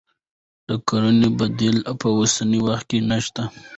د کرزي بديل په اوسني وخت کې نه شته.